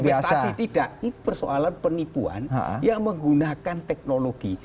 ini persoalan penipuan yang menggunakan teknologi